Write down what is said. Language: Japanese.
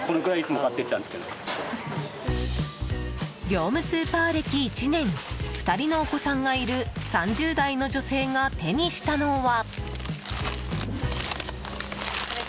業務スーパー歴１年２人のお子さんがいる３０代の女性が手にしたのは。